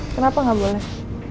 kenapa nggak boleh